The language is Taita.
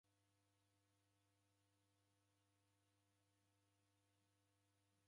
Koimbiri odekaia mzi ghwa Voi